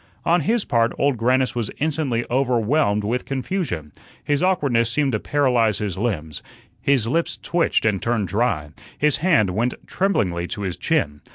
On his part, Old Grannis was instantly overwhelmed with confusion. His awkwardness seemed to paralyze his limbs, his lips twitched and turned dry, his hand went tremblingly to his chin.